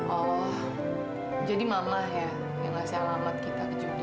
oh jadi mama ya yang ngasih alamat kita ke jody